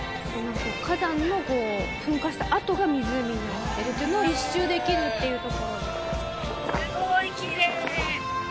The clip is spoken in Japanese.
火山の噴火した後が湖になってるっていうのを１周できるっていう所。